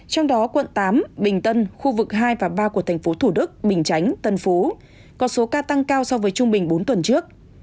trong đó quận tám bình tân khu vực hai và ba của tp thủ đức bình chánh tân phú có số ca tăng cao so với trung bình bốn tuần trước